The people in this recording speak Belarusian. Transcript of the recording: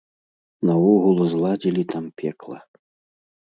Наогул зладзілі там пекла.